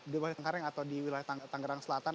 di wilayah cengkareng atau di tanggerang selatan